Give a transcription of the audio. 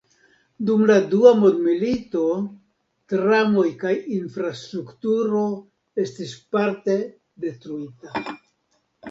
Dum la Dua Mondmilito, tramoj kaj infrastrukturo estis parte detruita.